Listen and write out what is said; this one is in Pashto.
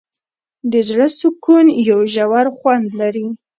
د زړه سکون یو ژور خوند لري.